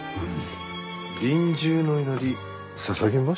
臨終の祈り捧げました？